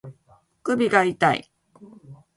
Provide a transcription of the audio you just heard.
首が痛い